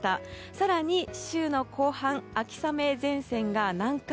更に、週の後半秋雨前線が南下。